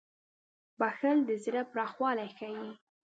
• بښل د زړه پراخوالی ښيي.